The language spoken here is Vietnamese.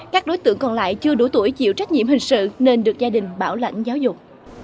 các đối tượng còn lại chưa đủ tuổi chịu trách nhiệm hình sự nên được gia đình bảo lãnh giáo dục